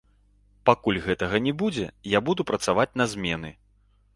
Пакуль гэтага не будзе, я буду працаваць на змены.